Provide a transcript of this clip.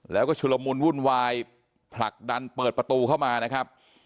แล้วก็ชุลมุนวุ่นวายผลักดันเปิดประตูเข้ามานะครับ